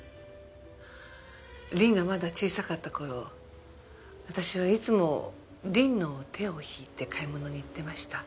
りんがまだ小さかった頃私はいつもりんの手を引いて買い物に行ってました。